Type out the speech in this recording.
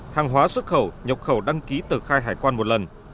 hàng hóa xuất khẩu nhập khẩu đăng ký tờ khai hải quan một lần